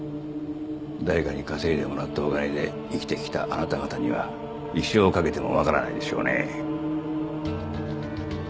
誰かに稼いでもらったお金で生きてきたあなた方には一生かけても分からないでしょうね。